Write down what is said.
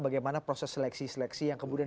bagaimana proses seleksi seleksi yang kemudian